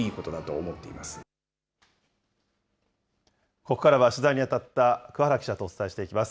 ここからは取材にあたった桑原記者とお伝えしていきます。